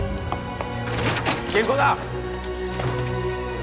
原稿だ。